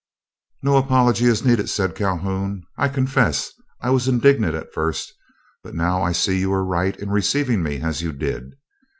"No apology is needed," said Calhoun. "I confess I was indignant at first, but I now see you were right in receiving me as you did.